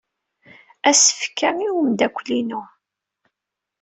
Asefk-a i umeddakel-inu.